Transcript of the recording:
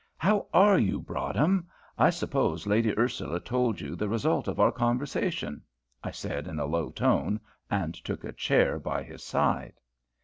"How are you, Broadhem? I suppose Lady Ursula told you the result of our conversation," I said in a low tone, and took a chair by his side.